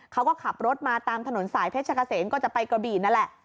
เขาก็ขับรถมาตามถนนสายเพชรกะเสมก็จะไปกระบี่นั่นแหละ